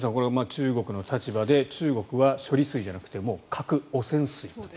中国の立場で中国は処理水じゃなくて核汚染水と。